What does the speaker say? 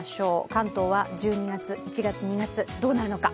関東は１２月、１月、２月どうなるのか。